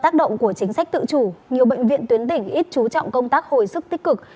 tác động của chính sách tự chủ nhiều bệnh viện tuyến tỉnh ít chú trọng công tác hồi sức tích cực